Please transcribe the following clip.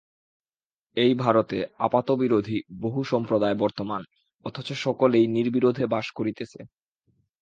এই ভারতে আপাতবিরোধী বহু সম্প্রদায় বর্তমান, অথচ সকলেই নির্বিরোধে বাস করিতেছে।